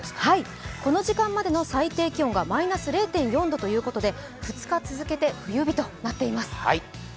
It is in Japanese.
この時間までの最低気温がマイナス０．４度ということで２日続けて冬日となっています。